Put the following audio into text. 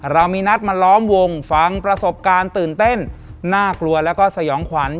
เรามีนัดมาล้อมวงฟังประสบการณ์ตื่นเต้นน่ากลัวแล้วก็สยองขวัญ